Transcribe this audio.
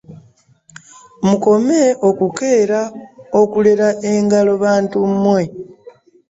Mukome okukeera okulera engalo bantu mmwe.